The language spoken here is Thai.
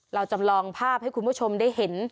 จำลองภาพให้คุณผู้ชมได้เห็น